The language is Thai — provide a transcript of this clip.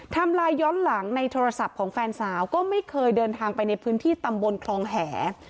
ไลน์ย้อนหลังในโทรศัพท์ของแฟนสาวก็ไม่เคยเดินทางไปในพื้นที่ตำบลคลองแห